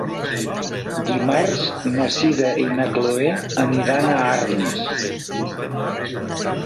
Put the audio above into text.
Dimarts na Sira i na Chloé aniran a Arnes.